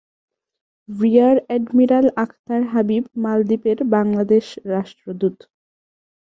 রিয়ার admiral Akhtar Habib মালদ্বীপের বাংলাদেশ রাষ্ট্রদূত।